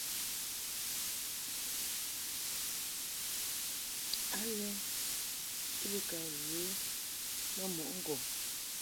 Alɛ i be ka ghə ma mɔʼ ŋgɔŋ.